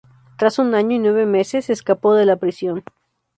Tras un año y nueve meses, escapó de la prisión.